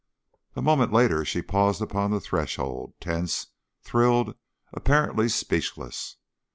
A moment later she paused upon the threshold, tense, thrilled, apparently speechless.